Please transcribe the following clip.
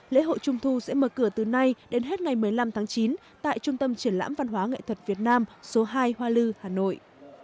lễ hội trung thu sẽ mở cửa từ nay đến hết ngày một mươi năm tháng chín tại trung tâm triển lãm văn hóa nghệ thuật việt nam số hai hoa lư hà nội